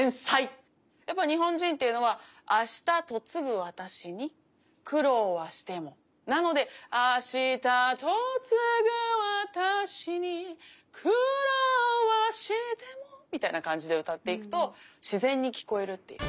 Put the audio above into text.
やっぱ日本人っていうのは「明日嫁ぐ私に苦労はしても」なので「明日嫁ぐ私に苦労はしても」みたいな感じで歌っていくと自然に聞こえるっていう。